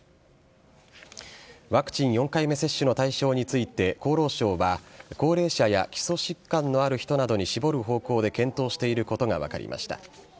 ワクチン４回目接種の対象について、厚労省は高齢者や基礎疾患のある人などに絞る方向で検討していることが分かりました。